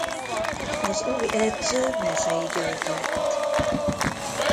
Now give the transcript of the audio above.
Az új edző Mezey György lett.